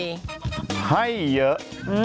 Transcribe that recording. ให้ใหม่เยอะ